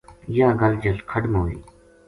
یاہ گل جلکھڈ ما ہوئی